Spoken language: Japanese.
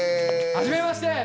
はじめまして。